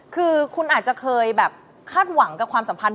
คือคุณอาจจะเคยแบบคาดหวังกับความสัมพันธ